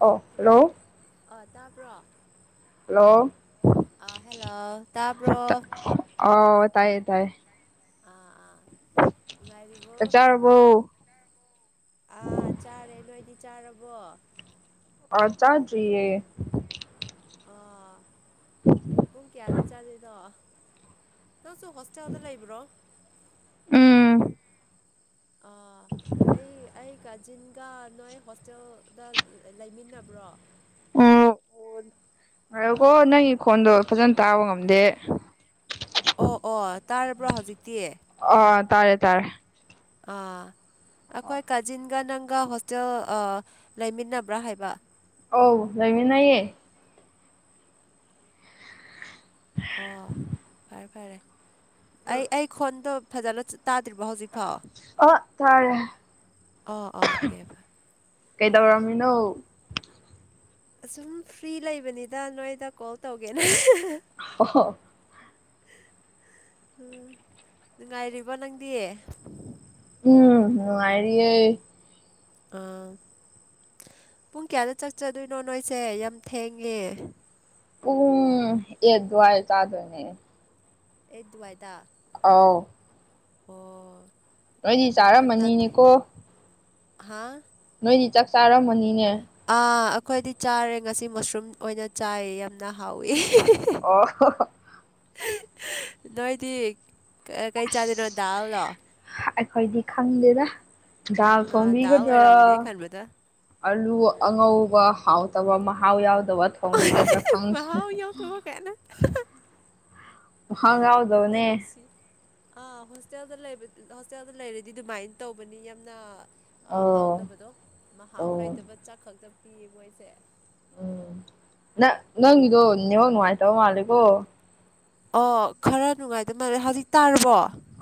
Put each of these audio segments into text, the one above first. ꯑꯣ ꯍꯜꯂꯣ ꯑ ꯇꯥꯕ꯭ꯔꯣ ꯍꯜꯂꯣ ꯑ ꯍꯦꯜꯂꯣ ꯇꯄ꯭ꯔꯣ ꯑꯣ ꯇꯥꯏꯌꯦ ꯇꯥꯏꯌꯦ ꯑꯥ ꯑꯥ ꯅꯨꯡꯉꯥꯏꯔꯤꯕꯣ ꯆꯔꯕꯣ ꯑꯥ ꯆꯥꯔꯦ ꯅꯣꯏꯗꯤ ꯆꯥꯔꯕꯣ ꯑ ꯆꯥꯠꯔꯤꯌꯦ ꯑꯥ ꯄꯨꯡ ꯀꯌꯥꯗ ꯆꯥꯗꯣꯏꯗꯣ ꯅꯪꯁꯨ ꯍꯣꯁꯇꯦꯜꯗ ꯂꯩꯕ꯭ꯔꯣ ꯎꯝ ꯑꯥ ꯑꯩ ꯑꯩ ꯀꯥꯖꯤꯟꯒ ꯅꯣꯏ ꯍꯣꯁꯇꯦꯜꯗ ꯂꯩꯃꯤꯟꯅꯕ꯭ꯔꯣ ꯑꯒꯣ ꯅꯪꯒꯤ ꯈꯣꯟꯗꯣ ꯐꯖꯅ ꯇꯥꯕ ꯉꯝꯗꯦ ꯑꯣ ꯑꯣ ꯇꯥꯔꯕ꯭ꯔꯣ ꯍꯧꯖꯤꯛꯇꯤ ꯑꯣ ꯇꯥꯔꯦ ꯇꯥꯔꯦ ꯑ ꯑꯩꯈꯣꯏ ꯀꯥꯖꯤꯟꯒ ꯅꯪꯒ ꯍꯣꯁꯇꯦꯜ ꯂꯩꯃꯤꯟꯅꯕ꯭ꯔꯥ ꯍꯥꯏꯕ ꯑꯧ ꯂꯩꯥꯃꯤꯟꯅꯩꯌꯦ ꯑꯣ ꯐꯔꯦ ꯐꯔꯦ ꯑꯩ ꯑꯩ ꯈꯣꯟꯗꯣ ꯐꯖꯟꯅ ꯇꯥꯗ꯭ꯔꯤꯕꯣ ꯍꯧꯖꯤꯛꯐꯥꯎ ꯑꯥ ꯇꯥꯔꯦ ꯑꯣ ꯑꯣꯀꯦ ꯀꯩꯗꯧꯔꯝꯃꯤꯅꯣ ꯑꯁꯨꯝ ꯐ꯭ꯔꯤ ꯂꯩꯕꯅꯤꯗ ꯅꯣꯏꯗ ꯀꯣꯜ ꯇꯧꯒꯦꯅ [unintelligible] ꯅꯨꯡꯉꯥꯏꯔꯤꯕꯥ ꯅꯪꯗꯤ ꯎꯝ ꯅꯨꯡꯉꯥꯏꯔꯤꯌꯦ ꯑꯥ ꯄꯨꯡ ꯀꯌꯥꯗ ꯆꯥꯛ ꯆꯥꯗꯣꯏꯅꯣ ꯅꯣꯏꯁꯦ ꯌꯥꯝ ꯊꯦꯡꯉꯦ ꯎꯝ ꯑꯦꯠ ꯗꯨꯋꯥꯏꯗ ꯆꯥꯗꯣꯏꯅꯦ ꯑꯦꯗ ꯗꯨꯋꯥꯥꯏꯗ ꯑꯥꯎ ꯑꯣ ꯅꯣꯏꯗꯤ ꯌꯥꯝꯅ ꯊꯦ ꯆꯥꯔꯝꯃꯅꯤꯅꯦꯀꯣ ꯍꯥꯥ ꯅꯣꯏꯗꯤ ꯆꯥꯛ ꯆꯥꯔꯝꯃꯅꯤꯅꯦ ꯑꯥ ꯑꯩꯈꯣꯏꯗꯤ ꯆꯥꯔꯦ ꯉꯁꯤ ꯃꯁꯔꯨꯝ ꯑꯣꯏꯅ ꯆꯥꯏ ꯌꯥꯝꯅ ꯍꯥꯎꯋꯤ [unintelligible] ꯅꯣꯏꯗꯤ ꯀꯩ ꯆꯥꯗꯣꯏꯅꯣ ꯗꯥꯜꯂꯣ ꯑꯩꯈꯣꯏꯗꯤ ꯈꯪꯗꯦꯗ ꯗꯥꯜ ꯑꯥ ꯗꯥꯜ ꯊꯣꯡꯕꯤꯒꯗ꯭ꯔꯥ ꯑꯣꯏꯔꯝꯃꯅꯤ ꯑꯩ ꯈꯟꯕꯗ ꯑꯂꯨ ꯑꯉꯧꯕ ꯍꯥꯎ ꯇꯕ ꯃꯍꯥꯎ ꯌꯥꯎꯗꯕ ꯊꯣꯡꯕꯤꯒꯗ꯭ꯔꯥ ꯈꯪꯗ‌ꯦ ꯃꯍꯥꯎ ꯌꯥꯎꯗꯕ ꯀꯥꯏꯅ ꯌꯥꯝꯅ ꯅꯨꯡꯁꯤ ꯑꯥ ꯍꯣꯁꯇꯦꯜꯗ ꯂꯩꯕ ꯍꯣꯁꯇꯦꯜꯗ ꯂꯩꯔꯗꯤ ꯑꯗꯨꯃꯥꯏ ꯇꯧꯕꯅꯤ ꯌꯥꯝꯅ ꯑꯧ ꯍꯥꯎꯇꯕꯗꯣ ꯃꯍꯥꯎ ꯑꯧ ꯂꯩꯇꯕ ꯆꯥꯛ ꯈꯛꯇ ꯄꯤꯌꯦ ꯃꯣꯏꯁꯦ ꯎꯝ ꯅꯪ ꯅꯪꯒꯤꯗꯣ ꯎꯝ ꯅꯦꯠꯋꯥꯛ ꯅꯨꯡꯉꯥꯏꯇꯕ ꯃꯥꯜꯂꯦꯀꯣ ꯑꯣ ꯈꯔ ꯅꯨꯡꯉꯥꯏꯇ ꯃꯥꯜꯂꯦ ꯍꯧꯖꯤꯛ ꯇꯥꯔꯕꯣ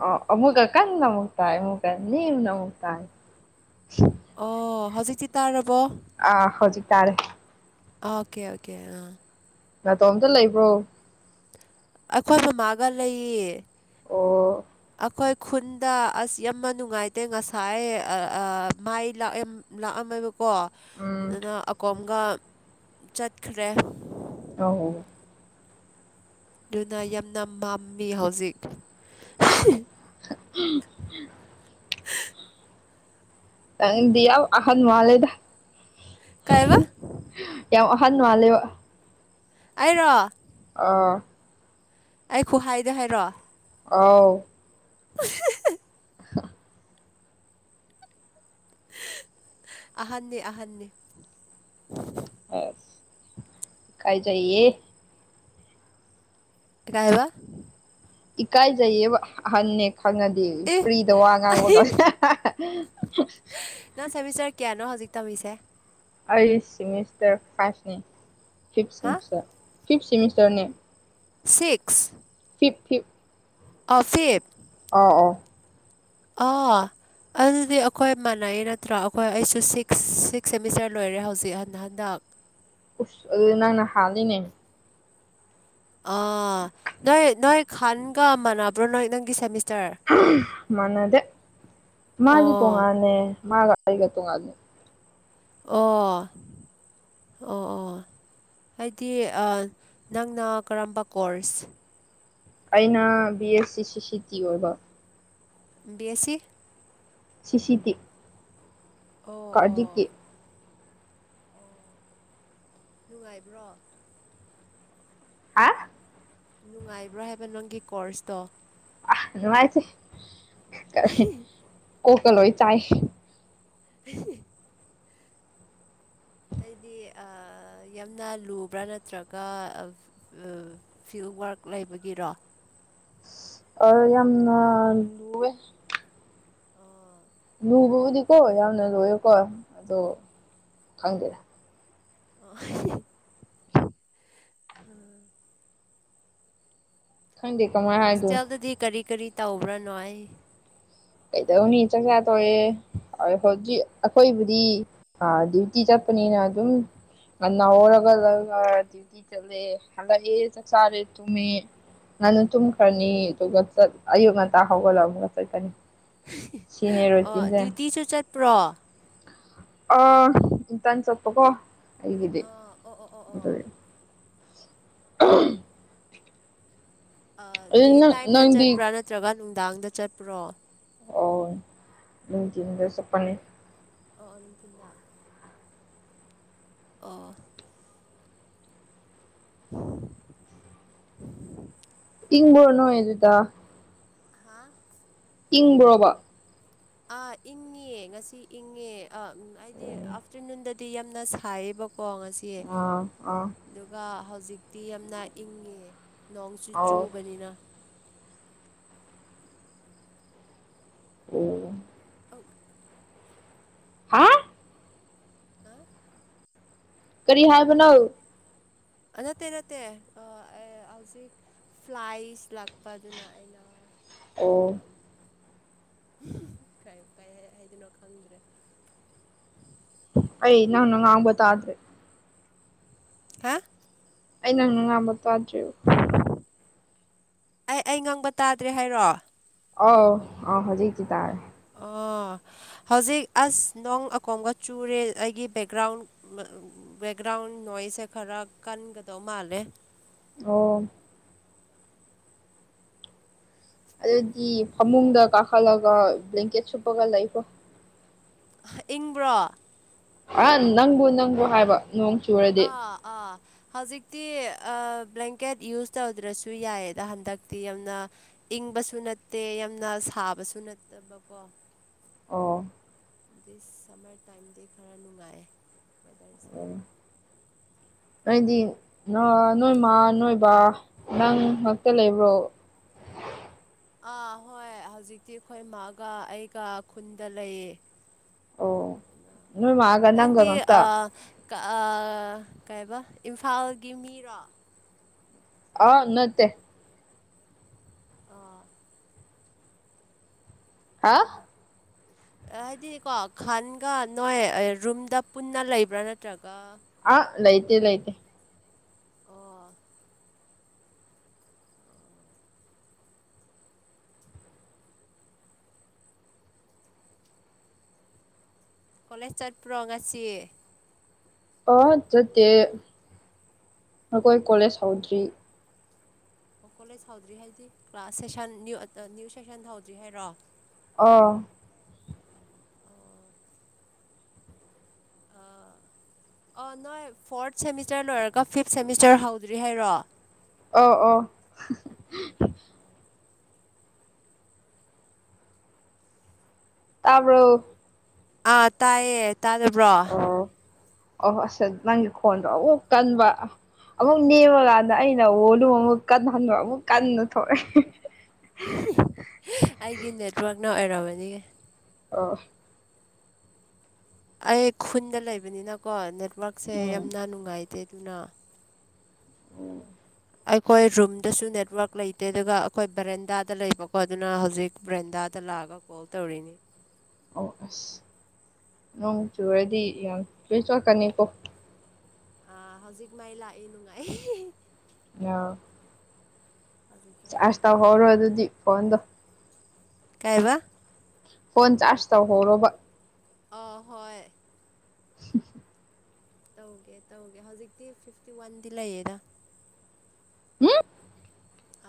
ꯑꯣꯃꯨꯒ ꯀꯟꯅ ꯑꯃꯨꯛ ꯇꯥꯏ ꯑꯃꯨꯀ ꯅ‌ꯦꯝꯅ ꯑꯃꯨꯛ ꯇꯥꯏ ꯑꯣ ꯍꯧꯖꯤꯛꯇꯤ ꯇꯥꯔꯕꯣ ꯑꯥ ꯍꯧꯖꯤꯛ ꯇꯥꯔꯦ ꯑꯣꯀꯦ ꯑꯣꯀꯦ ꯑ ꯅꯥꯇꯣꯝꯇ ꯂꯩꯕ꯭ꯔꯣ ꯑꯩꯈꯣꯏ ꯃꯥꯃꯥꯒ ꯂꯩꯌꯦ ꯑꯣ ꯑꯩꯈꯣꯏ ꯈꯨꯟꯗ ꯑꯁ ꯌꯥꯝꯅ ꯅꯨꯡꯉꯥꯏꯇꯦ ꯉꯁꯥꯏ ꯃꯥꯏ ꯂꯥꯛꯑ ꯂꯥꯛꯑꯝꯃꯦꯕꯀꯣ ꯎꯝ ꯑꯗꯨꯅ ꯑꯀꯣꯝꯒ ꯆꯠꯈ꯭ꯔꯦ ꯑꯣ ꯑꯗꯨꯅ ꯌꯥꯝꯅ ꯃꯝꯃꯤ ꯍꯧꯖꯤꯛ [unintelligible] ꯅꯪꯗꯤ ꯌꯥꯝ ꯑꯍꯟ ꯃꯥꯜꯂ‌ꯦꯗ ꯀꯥꯏꯕ ꯌꯥꯝ ꯑꯍꯟ ꯃꯥꯜꯂꯦꯕ ꯑꯩꯔꯣ ꯑꯥ ꯑꯩ ꯈꯨꯍꯥꯏꯗ ꯍꯥꯏꯔꯣ ꯑꯥꯎ [unintelligible] ꯑꯍꯟꯅꯦ ꯑꯍꯟꯅꯦ ꯑꯁ ꯢꯀꯥꯢꯖꯩꯌꯦ ꯢꯀꯥꯢꯕ ꯏꯀꯥꯏꯖꯩꯌꯦꯕ ꯑꯍꯟꯅꯦ ꯈꯪꯉ ꯗꯤ ꯑꯦ ꯐ꯭ꯔꯤꯗ ꯋꯥ ꯉꯥꯡꯕ ꯉꯝ ꯅꯪ ꯁꯦꯃꯤꯁꯇꯔ ꯀꯌꯥꯅꯣ ꯍꯧꯖꯤꯛ ꯇꯧꯔꯤꯁꯦ ꯑꯩ ꯁꯤꯃꯤꯁꯇꯔ ꯐꯥꯏꯚꯅꯦ ꯐꯤꯚ ꯍꯥ ꯁꯤꯃꯤꯁꯇꯔ ꯐꯤꯚ ꯁꯤꯃꯤꯁꯇꯔꯅꯤ ꯁꯤꯛꯁ ꯐꯤꯞ ꯐꯤꯞ ꯑ ꯐꯤꯞ ꯑꯥꯎ ꯑꯥꯎ ꯑꯥ ꯑꯗꯨꯗꯤ ꯑꯩꯈꯣꯏ ꯃꯥꯟꯅꯩ ꯅꯠꯇ꯭ꯔꯥ ꯑꯩꯈꯣꯏ ꯑꯩꯁꯨ ꯁꯤꯛꯁ ꯁꯤꯛꯁ ꯁꯦꯃꯤꯁꯇꯔ ꯂꯣꯏꯔꯦ ꯍꯧꯖꯤꯛ ꯍꯟ ꯍꯟꯗꯛ ꯎꯁ ꯑꯗꯨꯗꯤ ꯅꯪꯅ ꯍꯥꯜꯂꯤꯅꯦ ꯑ ꯅꯣꯏ ꯅꯣꯏ ꯈꯥꯟꯒ ꯃꯥꯟꯅꯕ꯭ꯔꯣ ꯅꯣꯏ ꯅꯪꯒꯤ ꯁꯦꯃꯤꯁ ꯃꯥꯟꯅꯗꯦ ꯃꯥꯗꯤ ꯑꯣ ꯇꯣꯡꯉꯥꯟꯅꯦ ꯃꯥꯒ ꯑꯩꯒ ꯇꯣꯡꯉꯥꯟꯅꯦ ꯑꯣ ꯑꯣ ꯑꯣ ꯍꯥꯏꯗꯤ ꯅꯪꯅ ꯀꯔꯝꯕ ꯀꯣꯔꯁ ꯑꯩꯅ ꯕꯤ ꯑꯦ ꯁꯤ ꯁꯤ ꯁꯤ ꯇꯤ ꯑꯣꯏꯕ ꯕꯤ ꯑꯦ ꯁꯤ ꯁꯤ ꯁꯤ ꯇꯤ ꯑꯣ ꯑꯣ ꯀꯥꯔꯗꯤꯛꯀꯤ ꯑꯣ ꯅꯨꯡꯉꯥꯏꯕ꯭ꯔꯣ ꯍꯥ ꯅꯨꯡꯉꯥꯏꯕ꯭ꯔꯣ ꯍꯥꯏꯕ ꯅꯪꯒꯤ ꯀꯣꯔꯁꯇꯣ ꯑ ꯅꯨꯡꯉꯥꯏꯇꯦ ꯀꯔꯤ ꯀꯣꯛꯀ ꯂꯣꯏ ꯆꯥꯛꯑꯦ [unintelligible] ꯑꯩꯗꯤ ꯌꯥꯝꯅ ꯂꯨꯕ꯭ꯔꯥ ꯅꯠꯇ꯭ꯔꯒ ꯐꯤꯜ ꯋꯥꯔꯛ ꯂꯩꯕꯒꯤꯔꯣ ꯑꯣ ꯌꯥꯝꯅ ꯂꯨꯋꯦ ꯑꯣ ꯂꯨꯕꯕꯨꯗꯤꯀꯣ ꯌꯥꯝꯅ ꯂꯣꯏꯌꯦ ꯀꯣ ꯑꯗꯣ ꯈꯪꯗꯦꯗ [unintelligible] ꯎꯝ ꯈꯣꯗꯦ ꯀꯃꯥꯢ ꯍꯣꯁꯇꯦꯜꯗꯗꯤ ꯀꯔꯤ ꯀꯔꯤ ꯇꯧꯕ꯭ꯔꯥ ꯅꯣꯢ ꯀꯩꯗꯧꯅꯤ ꯆꯥꯛꯆꯥ ꯇꯣꯛꯑꯦ ꯍꯧꯖꯤꯛ ꯑꯈꯣꯏꯕꯨꯗꯤ ꯑ ꯗ꯭ꯌꯨꯇꯤ ꯆꯠꯄꯅꯤꯅ ꯑꯗꯨꯝ ꯉꯟꯅ ꯍꯧꯔꯒ ꯗ꯭ꯌꯨꯇꯤ ꯆꯠꯂꯦ ꯍꯜꯂꯛꯑꯦ ꯆꯥꯛ ꯆꯥꯔꯦ ꯇꯨꯝꯃꯦ ꯉꯟꯅ ꯇꯨꯝꯈ꯭ꯔꯅꯤ ꯑꯗꯨꯒ ꯆꯠ ꯑꯌꯨꯛ ꯉꯟꯇꯥ ꯍꯧꯒꯠꯂ ꯑꯃꯨꯛꯀ ꯆꯠꯀꯅꯤ ꯁꯤꯅꯦ ꯑꯣ ꯔꯨꯇꯤꯟꯁꯦ ꯗ꯭ꯌꯨꯇꯤꯁꯨ ꯆꯠꯄ꯭ꯔꯣ ꯑ ꯏꯟꯇꯟ ꯆꯠꯄꯀꯣ ꯑꯩꯒꯤꯗꯤ ꯑꯥ ꯑꯣ ꯑꯣ ꯑꯣ ꯑꯣ ꯑꯗꯨꯒꯤ [unintelligible] ꯑꯥ ꯑꯗꯨ ꯗꯦ ꯅꯪ ꯇꯥꯏꯝꯗ ꯅꯪꯗꯤ ꯆꯠꯄ꯭ꯔꯥ ꯅꯠꯇ꯭ꯔꯒ ꯅꯨꯡꯗꯥꯡꯗ ꯆꯠꯄ꯭ꯔꯣ ꯑꯣ ꯅꯨꯡꯗꯤꯟꯗ ꯆꯠꯄꯅꯤ ꯑꯣ ꯑꯣ ꯅꯨꯡꯗꯤꯟꯗ ꯑꯣ [inaudible] ꯢꯪꯕ꯭ꯔꯣ ꯅꯣꯏ ꯑꯗꯨꯗ ꯍꯥ ꯏꯪꯕ꯭ꯔꯣꯕ ꯑ ꯏꯪꯉꯤꯌꯦ ꯉꯁꯤ ꯏꯪꯉꯦ ꯑ ꯍꯥꯏꯗꯤ ꯑꯥꯐꯇꯔꯅꯨꯟꯗ ꯇꯤ ꯌꯥꯝꯅ ꯁꯥꯏꯌꯦꯕꯀꯣ ꯉꯁꯤ ꯑꯥ ꯑꯥ ꯑꯗꯨꯒ ꯍꯧꯖꯤꯛꯇꯤ ꯌꯥꯝꯅ ꯏꯪꯉꯦ ꯅꯣꯡꯁꯨ ꯑꯣ ꯆꯨꯕꯅꯤꯅ ꯑꯣ ꯑꯧ ꯍꯥ ꯍꯥ ꯀꯔꯤ ꯍꯥꯏꯕꯣꯂꯣ ꯅꯠꯇꯦ ꯅꯠꯇꯦ ꯍꯧꯖꯤꯛ ꯐ꯭ꯂꯥꯏꯁ ꯂꯥꯛꯄꯗꯨꯅ ꯑꯩꯅ ꯑꯣ ꯀ ꯍꯥꯏꯗꯣꯏꯅꯣ ꯈꯪꯗ꯭ꯔꯦ ꯑꯩ ꯅꯪ ꯉꯥꯡꯕꯠꯇꯥꯗ꯭ꯔꯦ ꯍꯥ ꯑꯩ ꯅꯪꯅ ꯉꯥꯡꯕ ꯇꯥꯗ꯭ꯔꯤ ꯑꯩ ꯑꯩ ꯉꯪꯕ ꯇꯥꯗ꯭ꯔꯦ ꯍꯥꯏꯔꯣ ꯑꯥꯎ ꯑꯥ ꯍꯧꯖꯤꯛꯀꯤꯇꯥꯔꯦ ꯑꯣ ꯍꯧꯖꯤꯛ ꯑꯁ ꯅꯣꯡ ꯑꯀꯣꯝꯒ ꯆꯨꯔꯦ ꯑꯩꯒꯤ ꯕꯦꯛꯒ꯭ꯔꯥꯎꯟ ꯕꯦꯛꯒ꯭ꯔꯥꯎꯟ ꯅꯣꯏꯁꯁꯦ ꯈꯔ ꯀꯟꯒꯗꯧ ꯃꯥꯜꯂꯦ ꯑꯣ ꯑꯗꯨꯗꯤ ꯐꯃꯨꯡꯗ ꯀꯥꯈꯠꯂꯒ ꯕ꯭ꯂꯦꯡꯀꯦꯠ ꯁꯨꯞꯄꯒ ꯂꯩꯈ꯭ꯔꯣ ꯍ ꯏꯪꯕ꯭ꯔꯣ ꯑ ꯅꯪꯕꯨ ꯅꯪꯕꯨ ꯍꯥꯏꯕ ꯅꯣꯡ ꯆꯨꯔ ꯑꯥ ꯑꯥ ꯍꯧꯖꯤꯛꯇꯤ ꯕ꯭ꯂꯦꯡꯀꯦꯠ ꯌꯨꯁ ꯇꯧꯗ꯭ꯔꯁꯨ ꯌꯥꯏꯌꯦꯗ ꯍꯟꯗꯛꯇꯤ ꯌꯥꯝꯅ ꯏꯪꯕꯁꯨ ꯅꯠꯇꯦ ꯌꯥꯝꯅ ꯁꯥꯕꯁꯨ ꯅꯠꯇꯕ ꯀꯣ ꯑꯣ ꯗꯤ ꯁꯝꯃꯔ ꯇꯥꯏꯝꯗꯤ ꯈꯔ ꯅꯨꯡꯉꯥꯏ ꯋꯦꯗꯔꯁ [inaudible] ꯅꯣꯗꯤ ꯅꯣꯏꯃ ꯅꯣꯏꯕ ꯅꯪ ꯉꯥꯛꯇ ꯂꯩꯕ꯭ꯔꯣ ꯑꯥ ꯍꯣꯏ ꯍꯧꯖꯤꯛꯇꯤ ꯑꯩꯈꯣꯏꯃꯒ ꯑꯩꯒ ꯈꯨꯟꯗ ꯂꯩꯌꯦ ꯑꯣ ꯅꯣꯏ ꯃꯥꯒ ꯅꯪꯒ ꯅꯪꯗꯤ ꯉꯛꯇ ꯑ ꯀꯑꯥ ꯀꯩꯕ ꯏꯝꯐꯥꯜꯒꯤ ꯃꯤꯔꯣ ꯑꯥ ꯅ ꯇ ꯑ ꯍꯥ ꯍꯥꯏꯗꯤ ꯀꯣ ꯈꯥꯟꯒ ꯅꯣꯏ ꯔꯨꯝꯗ ꯄꯨꯟꯅ ꯂꯩꯕ꯭ꯔꯥ ꯅꯠꯇ꯭ꯔꯒ ꯑ ꯂ ꯂꯩꯇ ꯂ ꯂꯩꯇ ꯑꯣ ꯑꯣ ꯀꯣꯂꯦꯖ ꯆꯠꯄ꯭ꯔꯣ ꯉꯁꯤ ꯆꯠꯇꯦ ꯑꯩꯈꯣꯏ ꯀꯣꯂꯦꯖ ꯍꯧꯗ꯭ꯔꯤ ꯑꯣ ꯀꯣꯂꯦꯖ ꯍꯧꯗ꯭ꯔꯤ ꯍꯥꯏꯗꯤ ꯀ꯭ꯂꯥꯁ ꯁꯁꯟ ꯅ꯭ꯌꯨ ꯁꯦꯁꯟ ꯍꯧꯗ꯭ꯔꯤ ꯍꯥꯏꯔꯣ ꯑ ꯑꯥ ꯑꯣ ꯅꯣꯏ ꯐꯣꯔꯠ ꯁꯦꯃꯤꯁꯇꯔ ꯂꯣꯏꯔꯒ ꯐꯤꯞ ꯁꯦꯃꯤꯁꯇꯔ ꯍꯧꯗ꯭ꯔꯤ ꯍꯥꯏꯔꯣ ꯑ ꯑꯣ ꯇꯥꯕ꯭ꯔꯣ ꯑꯥ ꯇꯥꯏꯌꯦ ꯇꯥꯗꯕ꯭ꯔꯣ ꯑꯣꯣꯁꯦ ꯅꯪ ꯀꯣꯟ꯭ꯔꯣ ꯑꯣ ꯀꯟꯕ ꯑꯃꯨꯛ ꯅꯦꯝꯃꯀꯥꯟꯗ ꯑꯩꯅ ꯑꯣꯗꯨ ꯑꯃꯨꯛ ꯀꯟꯍꯟꯕ ꯑꯃꯨꯛ ꯀꯟꯅ ꯊꯣꯛꯂꯛꯑꯦ ꯑꯩꯒꯤ ꯅꯦꯠꯋꯛꯅ ꯑꯣꯏꯝꯔꯕꯅꯤ ꯑꯥ ꯑꯩ ꯈꯨꯟꯗ ꯂꯩꯕꯅꯤꯅꯀꯣ ꯅꯦꯠꯋꯔꯛꯁꯦ ꯎꯝ ꯌꯥꯝꯅ ꯅꯨꯡꯉꯥꯏꯇꯦ ꯑꯗꯨꯅ ꯑꯩꯈꯣꯏ ꯔꯨꯝꯗꯁꯨ ꯅꯦꯠꯋꯔꯛ ꯂꯩꯇꯦ ꯑꯗꯨꯒ ꯑꯩꯈꯣꯏ ꯕ꯭ꯔꯦꯟꯗꯥꯗ ꯂꯩꯕꯀꯣ ꯑꯗꯨꯅ ꯍꯧꯖꯤꯛ ꯕ꯭ꯔꯦꯟꯗꯥꯗ ꯂꯥꯛꯑꯒ ꯀꯣ ꯇꯧꯔꯤꯅꯤ ꯑꯣ ꯑꯁ ꯅꯣꯡ ꯆꯨꯔꯗꯤ ꯌꯥꯝ ꯂꯣꯏ ꯆꯣꯛꯀꯅꯤꯀꯣ ꯑꯥ ꯍꯧꯖꯤꯛ ꯃꯩ ꯂꯥꯛꯑꯦ ꯅꯨꯡꯉꯥꯏ [unintelligible] ꯌꯥ ꯍꯧꯖꯤꯛꯇ ꯃꯥꯏ ꯆꯥꯔꯖ ꯂꯥꯛꯏ ꯇꯧꯍꯧꯔꯣ ꯑꯗꯨꯗꯤ ꯐꯣꯟꯗꯣ ꯀꯥꯏꯕ ꯐꯣꯟ ꯆꯥꯔꯖ ꯇꯧꯍꯧꯣꯔꯕ ꯑꯍꯣꯏ [inaudible] ꯇꯧꯒꯦ ꯇꯧꯒꯦ ꯍꯧꯖꯤꯛꯇꯤ ꯐꯤꯞꯇꯤ ꯋꯥꯟꯗꯤ ꯂꯩꯌꯦꯗ ꯍꯥ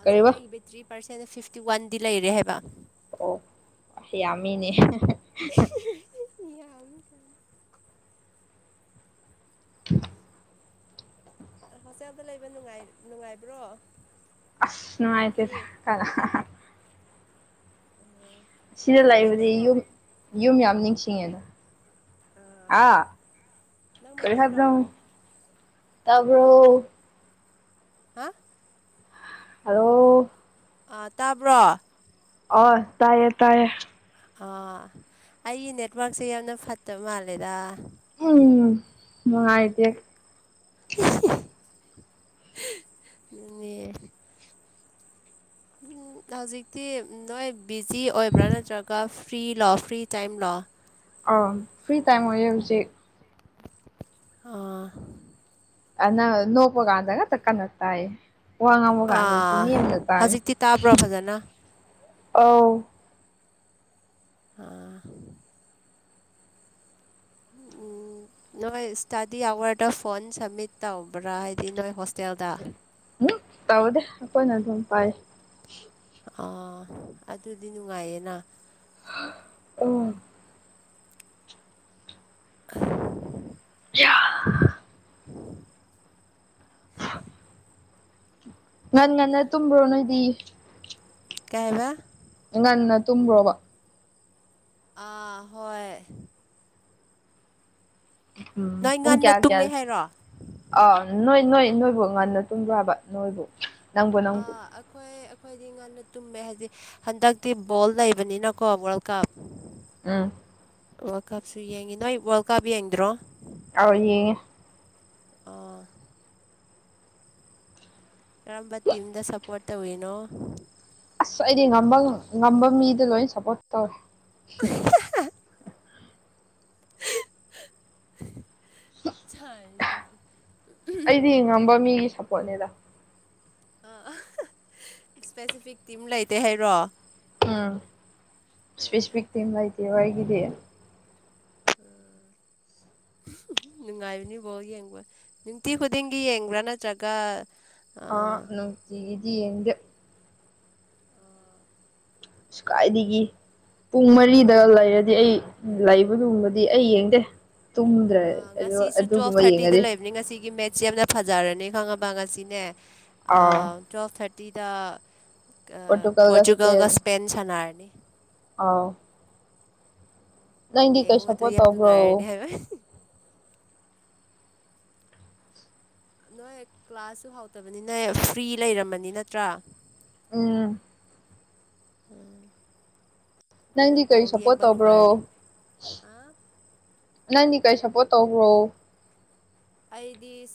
ꯍꯧꯖꯤꯛ ꯑꯩꯒꯤ ꯕꯦꯇ꯭ꯔꯤ ꯄꯥꯔꯁꯦꯟ ꯐꯤꯐꯇꯤ ꯋꯥꯟꯗꯤ ꯂꯩꯔꯦ ꯍꯥꯏꯕ ꯑꯣ ꯌꯥꯝꯃꯤꯅꯦ [unintelligible] ꯌꯥ ꯀꯅꯤ [unintelligible] ꯍꯣꯁꯇꯦꯜꯗ ꯂꯩꯕ ꯅꯨꯡꯉꯥꯏ ꯅꯨꯡꯉꯥꯏꯕ꯭ꯔꯣ ꯑꯁ ꯍꯥꯏꯗꯤ ꯅꯨꯡꯉꯥꯏꯇꯦꯊ ꯀꯅꯥꯅ ꯑꯉꯥꯡ ꯁꯤꯗ ꯂꯩꯏꯕꯗꯤ ꯌꯨꯝ ꯌꯨꯝ ꯌꯥꯝ ꯅꯤꯡꯁꯤꯡꯉꯦꯅ ꯑ ꯅꯪ ꯀꯔꯤ ꯃꯩꯇꯩꯂꯣ ꯍꯥꯏꯕꯅꯣ ꯇꯥꯕ꯭ꯔꯣ ꯍꯥ ꯍꯜꯑꯣ ꯑꯥ ꯇꯥꯕ꯭ꯔꯣ ꯑꯣꯏ ꯇꯥꯏꯌꯦ ꯇꯥꯏꯌꯦ ꯑꯥ ꯑꯩꯒꯤ ꯅꯦꯠꯋꯥꯔꯛꯁꯦ ꯌꯥꯝꯅ ꯐꯠꯇꯕ ꯃꯥꯜꯂꯦꯗ ꯎꯝ ꯍꯥꯏꯇꯦ ꯑ ꯍꯧꯖꯤꯛꯇꯤ ꯅꯣꯏ ꯕꯤꯖꯤ ꯑꯣꯏꯕ꯭ꯔꯥ ꯅꯠꯇ꯭ꯔꯒ ꯐ꯭ꯔꯤ ꯂꯣ ꯐ꯭ꯔꯤ ꯇꯥꯏꯝꯂꯣ ꯑꯥ ꯐ꯭ꯔꯤ ꯇꯥꯏꯝ ꯑꯣꯏꯌꯦ ꯍꯧꯖꯤꯛ ꯑꯥ ꯑꯅ ꯅꯣꯛꯄꯒꯥꯟꯗꯒ ꯇ ꯀ ꯅꯠꯇꯑ ꯋꯥ ꯉꯥꯡꯝꯕ ꯑꯥ ꯀꯥꯟꯗꯗꯤꯅꯤ ꯅꯦꯝꯅ ꯇꯥꯏ ꯍꯧꯖꯤꯛꯇꯤ ꯇꯥꯕ꯭ꯔꯣ ꯐꯖꯅ ꯑꯧ ꯑꯥ [inaudible] ꯎꯝ ꯅꯣꯏ ꯏꯁꯇꯥꯗꯤ ꯑꯋꯥꯔꯗ ꯐꯣꯟ ꯁꯃꯤꯠ ꯇꯧꯕ꯭ꯔꯥ ꯍꯥꯏꯗꯤ ꯅꯣꯏ ꯍꯣꯁꯇꯦꯜꯗ ꯎꯍꯨꯝ ꯇꯧꯗꯦ ꯑꯈꯣꯏꯅ ꯑꯗꯨꯝ ꯄꯥꯏ ꯑꯥ ꯑꯗꯨꯗꯤ ꯅꯨꯡꯉꯥꯏꯌꯦꯅ ꯑꯝ ꯈ ꯌꯥꯌꯥ ꯎꯝ ꯉꯟ ꯉꯟꯅ ꯇꯨꯝꯕ꯭ꯔꯣ ꯅꯣꯏꯗꯤ ꯀꯩꯏꯕ ꯉꯟꯅ ꯇꯨꯝꯕ꯭ꯔꯣꯕ ꯑꯥ ꯍꯣꯏ ꯎꯝ ꯅꯣꯏ ꯄꯨꯡ ꯉꯟꯅ ꯀꯌꯥ ꯀꯌꯥ ꯇꯨꯝꯃꯦ ꯍꯥꯏꯔꯣ ꯑ ꯅꯣꯏ ꯅꯣꯏ ꯅꯣꯏꯕꯨ ꯉꯟꯅ ꯇꯨꯝꯕ꯭ꯔꯕ ꯅꯣꯏꯕꯨ ꯅꯪꯕꯨ ꯅꯪꯕꯨ ꯑꯥ ꯑꯈꯣꯏ ꯑꯈꯣꯏꯅꯤ ꯉꯟꯅ ꯇꯨꯝꯃꯦ ꯍꯥꯏꯗꯤ ꯍꯟꯗꯛꯇꯤ ꯕꯣꯜ ꯂꯩꯕꯅꯤꯅꯀꯣ ꯋꯥꯔꯜ ꯀꯞ ꯎꯝ ꯋꯥꯔꯜ ꯀꯞꯁꯨ ꯌꯦꯡꯉꯤ ꯅꯣꯏ ꯋꯥꯔꯜ ꯀꯞ ꯌꯦꯡꯗ꯭ꯔꯣ ꯑꯧ ꯌꯦꯡꯉꯦ ꯑꯥ ꯀꯔꯝꯕ ꯇꯤꯝꯗ ꯁꯞꯄꯣꯔꯠ ꯇꯧꯋꯤꯅꯣ ꯑꯁ ꯑꯩꯗꯤ ꯉꯝꯕ ꯉꯝꯕ ꯃꯤꯗ ꯂꯣꯏ ꯁꯞꯄꯣꯔꯠ ꯇꯧꯏ [unintelligible] ꯑꯩꯗꯤ ꯉꯝꯕ ꯃꯤꯒꯤ ꯁꯞꯄꯣꯔꯠꯅꯤꯗ ꯑ ꯏꯁꯄꯦꯁꯤꯐꯤꯛ ꯇꯤꯝ ꯂꯩꯇꯦ ꯍꯥꯏꯔꯣ ꯎꯝ ꯑꯥ ꯏꯁꯄꯦꯁꯤꯐꯤꯛ ꯇꯤꯝ ꯂꯩꯇꯦꯕ ꯑꯩꯒꯤꯗꯤ [inaudible] ꯍꯨꯝ ꯅꯨꯡꯉꯥꯏꯕꯅꯤ ꯕꯣꯜ ꯌꯦꯡꯕ ꯅꯨꯡꯇꯤ ꯈꯨꯗꯤꯡꯒꯤ ꯌꯦꯡꯕ꯭ꯔꯥ ꯅꯠꯇ꯭ꯔꯒ ꯑ ꯑꯥ ꯅꯨꯡꯇꯤꯒꯤꯗꯤ ꯌꯦꯡꯗ‌ꯦ ꯏꯁ ꯀꯥꯏꯗꯒꯤ ꯄꯨꯡ ꯃꯔꯤꯗ ꯂꯩꯔꯗꯤ ꯑꯩ ꯂꯩꯕꯗꯨꯨꯝꯕꯗꯤ ꯑꯩ ꯌꯦꯡꯗꯦ ꯇꯨꯝꯗ꯭ꯔꯦ ꯑꯗꯨ ꯉꯁꯤꯁꯨ ꯇꯨꯋꯦꯜꯞ ꯑꯗꯨꯒꯨꯝꯕ ꯊꯥꯔꯇꯤꯗ ꯌꯦꯡꯉꯗꯤ ꯂꯩꯕꯅꯤ ꯉꯁꯤꯒꯤ ꯃꯦꯠꯁ ꯌꯥꯝꯅ ꯐꯖꯔꯅꯤ ꯈꯪꯉꯕ ꯉꯁꯤꯅꯦ ꯑ ꯑꯥ ꯇ꯭ꯋꯦꯜꯐ ꯊꯥꯔꯇꯤꯗ ꯄꯣꯔꯇꯨꯒꯜꯒ ꯁꯄꯦꯟ ꯁꯟꯅꯔꯅꯤ ꯑꯥꯎ ꯅꯪꯗꯤ ꯀꯩ ꯁꯞꯄꯣꯔꯠ ꯇꯧꯕ꯭ꯔꯣ ꯑ ꯅꯣꯏ ꯀ꯭ꯂꯥꯁꯁꯨ ꯍꯥꯎꯇꯕꯅꯤ ꯐ꯭ꯔꯤ ꯂꯩꯔꯃꯅꯤ ꯅꯠꯇ꯭ꯔꯥ ꯎꯝ ꯎꯝ ꯅꯪꯗꯤ ꯀꯔꯤ ꯁꯞꯄꯣꯔꯠ ꯇꯧꯕ꯭ꯔꯣ ꯍꯥ ꯅꯪꯗꯤ ꯀꯩ ꯁꯞꯄꯣꯔꯠ ꯇꯧꯕ꯭ꯔꯣ ꯑꯩꯗꯤꯁ